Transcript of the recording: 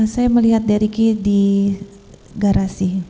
saya melihat dericky di garasi